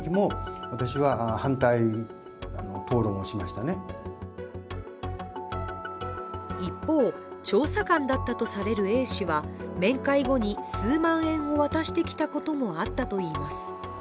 ただ一方、調査官Ａ氏は、面会後に数万円を渡してきたこともあったといいます。